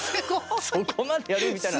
そこまでやる？みたいな。